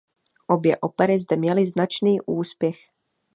Obě opery zde měly značný úspěch.